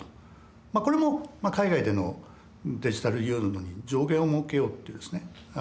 これも海外でのデジタルユーロに上限をもうけようっていうですね